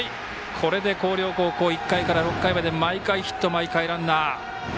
これで広陵高校は１回から３回まで毎回ヒット、毎回ランナー。